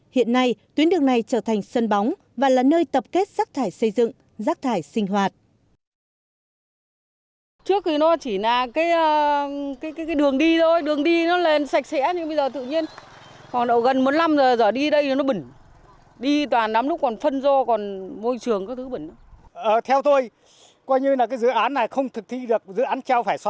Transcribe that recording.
hiện nay tuyến đường này trở thành sân bóng và là nơi tập kết rác thải xây dựng rác thải sinh hoạt